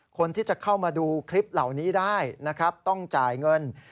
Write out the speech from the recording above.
คนที่จะเข้ามาดูคลิปเหล่านี้ได้นะครับต้องจ่ายเงิน